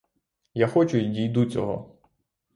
Я хочу й дійду цього.